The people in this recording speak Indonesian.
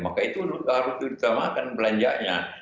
maka itu harus diutamakan belanjanya